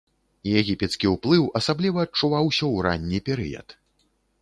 Егіпецкі ўплыў асабліва адчуваўся ў ранні перыяд.